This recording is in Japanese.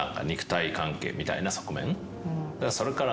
それから。